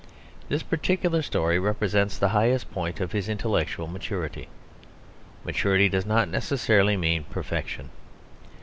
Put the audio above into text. This particular story represents the highest point of his intellectual maturity. Maturity does not necessarily mean perfection.